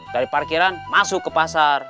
dari parkiran masuk ke pasar